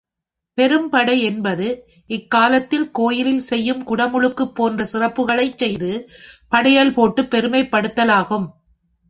பெரும்படை என்பது, இக் காலத்தில் கோயிலில் செய்யும் குடமுழுக்கு போன்ற சிறப்புக்களைச் செய்து படையல் போட்டுப் பெருமைப் படுத்தலாகும்.